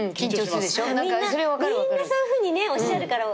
みんなそういうふうにおっしゃるから。